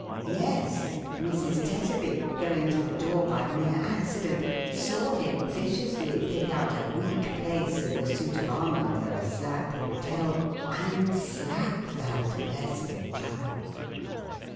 Yes, Mrs. Tetterby, going to the" door by a mere accident, saw him viciously pick out 502 THE HAUNTED MAN. a weak place; in the suit of armour where a slap would tell, and slap that blessed child.